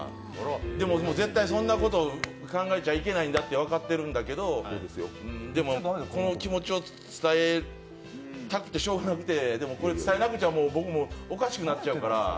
でも絶対そんなこと考えちゃいけないんだと思ってるんだけどでも、この気持ちを伝えたくてしようがなくて、でもこれ、伝えなくちゃ僕もおかしくなっちゃうから。